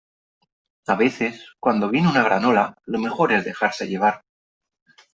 a veces , cuando viene una gran ola , lo mejor es dejarse llevar .